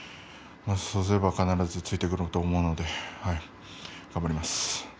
そうすれば必ずついてくると思うので頑張ります。